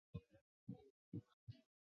迅雷可在两种配置状态以下操作。